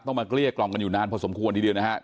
มาเกลี้ยกล่อมกันอยู่นานพอสมควรทีเดียวนะครับ